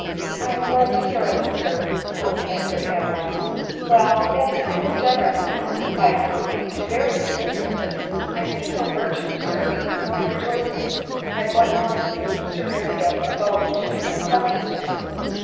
9 " I am glad to hear it, sir, 9 ' coolly answered Adeline. "Well, that's kind and genius now," replied Drury, " and very disinterested." " I see no virtue, sir, in my rejoicing at what must make Mr Berrendale's abode in Jamaica pleasant to him."